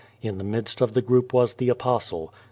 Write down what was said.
In the midst of the group was the Apostle.